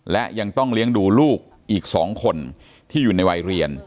และยังต้องเลี้ยงดูลูกอีก๒คนที่อยู่ในวัยเรียน